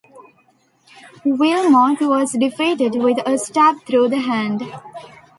Wilmot was defeated with a stab through the hand.